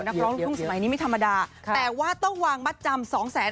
นักร้องลูกทุ่งสมัยนี้ไม่ธรรมดาแต่ว่าต้องวางมัดจำสองแสน